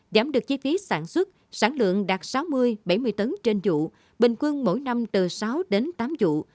giảm được chi phí sản xuất sản lượng đạt sáu mươi bảy mươi tấn trên vụ bình quân mỗi năm từ sáu đến tám vụ